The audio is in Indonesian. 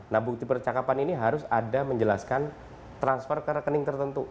nah bukti percakapan ini harus ada menjelaskan transfer ke rekening tertentu